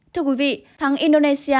thưa quý vị thắng indonesia